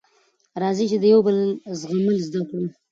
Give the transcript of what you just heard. راځی د یوبل زغمل زده کړو